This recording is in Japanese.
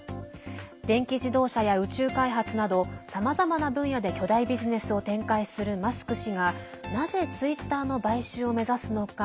電気自動車や宇宙開発などさまざまな分野で巨大ビジネスを展開するマスク氏がなぜツイッターの買収を目指すのか。